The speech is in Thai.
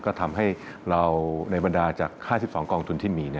ก็ทำให้เราในบรรดาจาก๕๒กองทุนที่มี